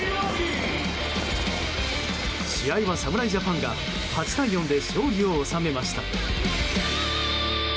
試合は侍ジャパンが８対４で勝利を収めました。